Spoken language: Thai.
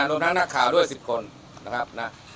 รวมทั้งนักข่าวด้วย๑๐คนนะครับนะ